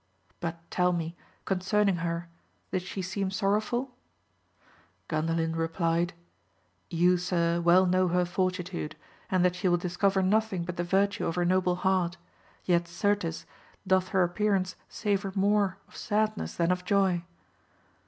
But tell me, concerning her, did she seem sorrowful 1 Gandalin replied, You, sir, well know her fortitude, and that she will discover nothing but the virtue of her noble heart, yet, certes, doth her appearance savour more of sadness than of joy.